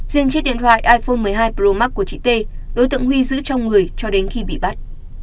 riêng chiếc điện thoại iphone một mươi hai pro max của chị t đối tượng huy giữ trong người cho đến khi bị bắt